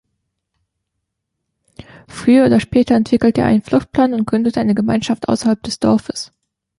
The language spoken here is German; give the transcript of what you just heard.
Früher oder später entwickelt er einen Fluchtplan und gründet eine Gemeinschaft außerhalb des Dorfes.